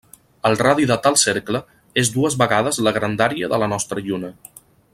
El radi de tal cercle és dues vegades la grandària de la nostra Lluna.